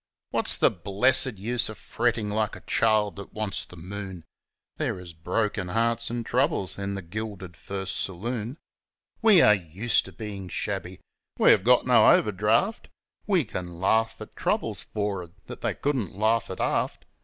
What's the blessed use of frettin' like a child that wants the moon? There is broken hearts an' trouble in the gilded First Saloon ! 122 FOR'ARD We are used to bein' shabby we have got no overdraft We can laugh at troubles f or'ard that they couldn't laugh at aft